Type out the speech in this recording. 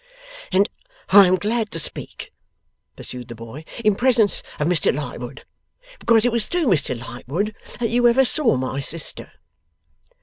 'And I am glad to speak,' pursued the boy, 'in presence of Mr Lightwood, because it was through Mr Lightwood that you ever saw my sister.